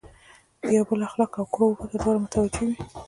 د یو بل اخلاقو او کړو وړو ته دواړه متوجه وي.